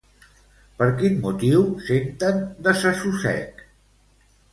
Per quin motiu senten desassossec?